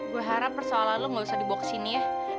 gue harap persoalan lo gak usah dibawa kesini ya